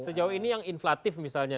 sejauh ini yang inflatif misalnya